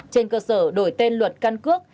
trên cơ sở đổi tên luật căn cước